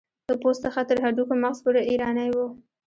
د پوست څخه تر هډوکو مغز پورې ایرانی و.